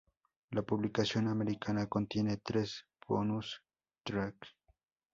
La publicación americana contiene tres bonus track.